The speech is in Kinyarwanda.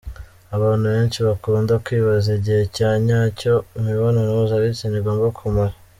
Abantu benshi bakunda kwibaza igihe cya nyacyo imibonano mpuzabitsina igomba kumara.